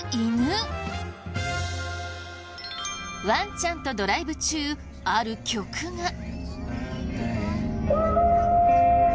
ワンちゃんとドライブ中ある曲が。